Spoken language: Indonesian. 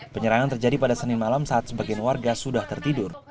penyerangan terjadi pada senin malam saat sebagian warga sudah tertidur